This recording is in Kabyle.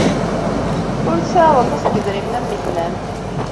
Ur tesɛiḍ aṭas n yedrimen am gma-m.